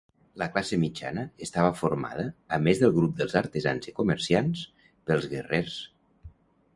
La classe mitjana estava formada, a més del grup dels artesans i comerciants, pels guerrers.